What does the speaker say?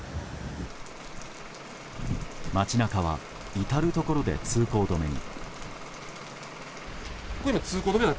町中は至るところで通行止めに。